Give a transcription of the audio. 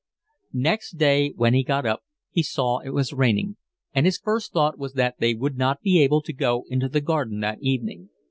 Next day when he got up he saw it was raining, and his first thought was that they would not be able to go into the garden that evening.